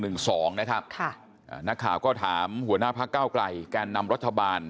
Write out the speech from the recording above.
หยามหัตรา๑๑๒นะครับค่ะนักข่าวก็ถามหัวหน้าพระเก้าไกรแก้นำรัฐบาล